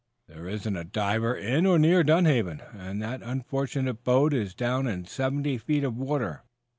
"There isn't a diver in or near Dunhaven, and that unfortunate boat is down in seventy feet of water.